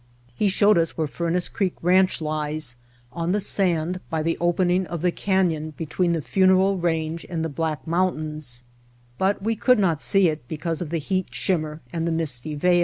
He showed us where Furnace Creek Ranch lies on the sand by the opening of the canyon between the Funeral Range and the Black Mountains, but we could not see it because of the heat shimmer and the misty veil.